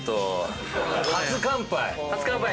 初乾杯。